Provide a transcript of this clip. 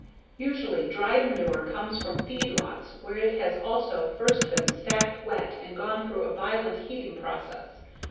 Usually, dried manure comes from feedlots where it has also first been stacked wet and gone through a violent heating process.